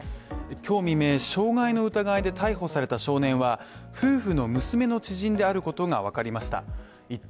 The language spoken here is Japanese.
今日未明傷害の疑いで逮捕された少年は、夫婦の娘の知人であることがわかりました